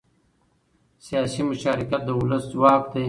سیاسي مشارکت د ولس ځواک دی